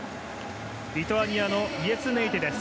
リトアニアのイェスネイテです。